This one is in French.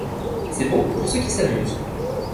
C’est bon pour ceux qui s’amusent.